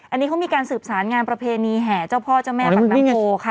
อันนี้เขามีการสืบสารงานประเพณีแห่เจ้าพ่อเจ้าแม่ปากน้ำโพค่ะ